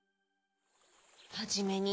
はじめに。